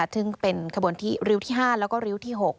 ถึงเป็นริวที่๕แล้วก็ริวที่๖